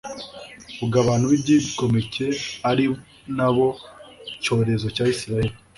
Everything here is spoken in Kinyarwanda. ubwo abantu b'ibyigomeke, ari na bo cyorezo cya israheli